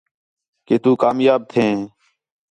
کہ تُو کامیاب تھیں